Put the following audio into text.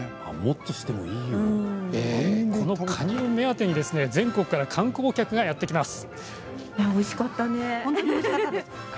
このカニ目当てに全国から観光客がやって来ます。